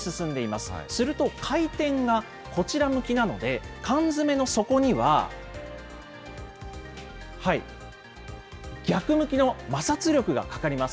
すると、回転がこちら向きなので、缶詰の底には、逆向きの摩擦力がかかります。